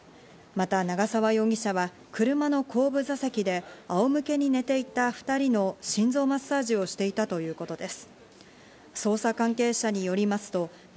また長沢容疑者は、車の後部座席で仰向けに寝ていた２人の心臓マッサージをしていたということです。